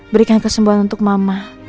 berikan kesembuhan untuk mama